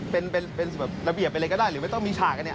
เป็นแบบระเบียบอะไรก็ได้หรือไม่ต้องมีฉากกันเนี่ย